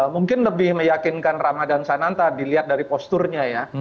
mungkin lebih meyakinkan ramadhan sananta dilihat dari posturnya ya